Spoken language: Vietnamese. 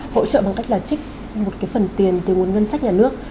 hỗ trợ bằng cách là trích một cái phần tiền từ nguồn ngân sách nhà nước